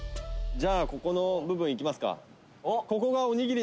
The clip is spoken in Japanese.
「じゃあここの部分いきますか」